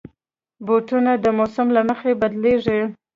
بوټونه د موسم له مخې بدلېږي.